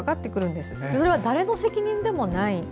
でも、それは誰の責任でもない。